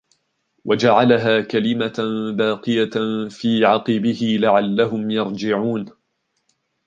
وَجَعَلَهَا كَلِمَةً بَاقِيَةً فِي عَقِبِهِ لَعَلَّهُمْ يَرْجِعُونَ